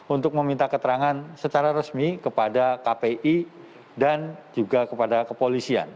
untuk meminta keterangan secara resmi kepada kpi dan juga kepada kepolisian